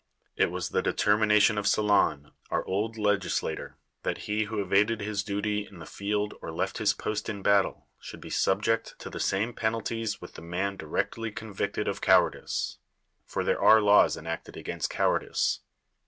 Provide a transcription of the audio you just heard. It was the determination of Solon, our old legislator, that he who evaded his duty in the field or left his post in battle should be subject to the same 220 ^SCHINES penalties with the man directly convicted of cowardice; for there are laws enacted against cowardice.